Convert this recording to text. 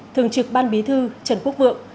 thường trực ban bí thư trần quốc vượng